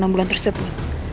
waktu enam bulan tersebut